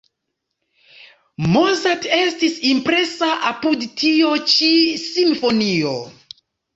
Mozart estis impresa apud tio ĉi simfonio.